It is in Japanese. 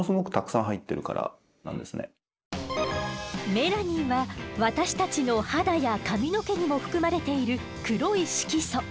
メラニンは私たちの肌や髪の毛にも含まれている黒い色素。